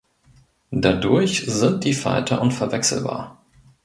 Dadurch sind die Falter unverwechselbar.